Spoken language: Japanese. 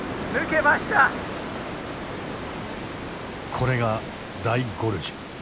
これが大ゴルジュ。